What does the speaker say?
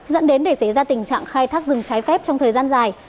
dẫn đến để xảy ra tình trạng khai thác rừng trái phép trong thời gian dài